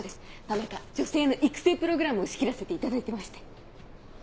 田中女性の育成プログラムを仕切らせていただいてまして。